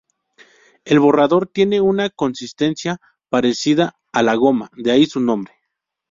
El borrador tiene una consistencia parecida a la goma, de ahí su nombre.